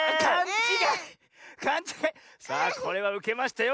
さあこれはウケましたよ。